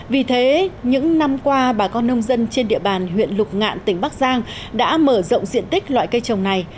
vì thế những năm qua bà con nông dân trên địa bàn huyện lục ngạn tỉnh bắc giang đã mở rộng diện tích loại cây trồng này